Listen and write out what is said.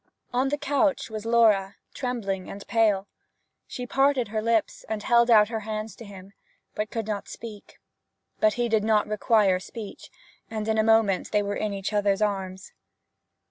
On the couch was Laura, trembling and pale. She parted her lips and held out her hands to him, but could not speak. But he did not require speech, and in a moment they were in each other's arms.